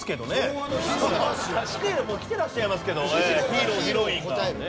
来てらっしゃいますけどヒーロー＆ヒロインが。